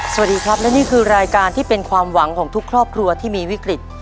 สวัสดีครับและนี่คือรายการที่เป็นความหวังของทุกครอบครัวที่มีวิกฤต